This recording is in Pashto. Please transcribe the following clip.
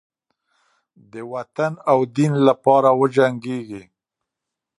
د وطن او دین لپاره وجنګیږي.